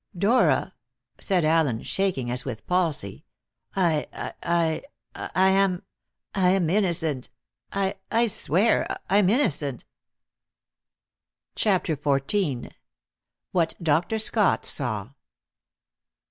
"Dora," said Allen, shaking as with palsy, "I I I am I am innocent. I I swear I'm innocent!" CHAPTER XIV. WHAT DR. SCOTT SAW.